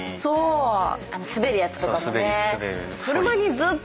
滑るやつとかもね。